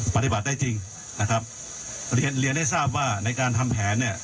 ปฏิบัติได้จริงนะครับเรียนเรียนให้ทราบว่าในการทำแผนเนี่ย